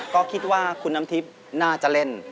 ก็คิดว่าคุณนัมทิฟน่าจะเล่น